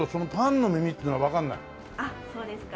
あっそうですか。